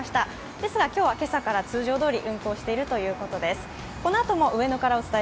ですが今日は今朝から通常どおり運行しているということです。